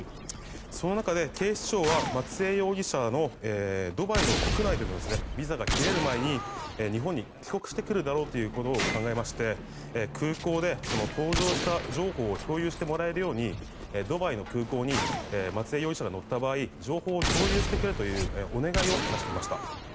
その中で警視庁は松江容疑者のドバイの国内でのビザが切れる前に日本に帰国してくるだろうと考えまして空港で搭乗した情報を共有してもらえるようドバイの空港に松江容疑者が乗った場合情報を共有してくれというお願いを出していました。